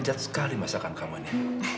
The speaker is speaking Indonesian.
majad sekali masakan kamu ini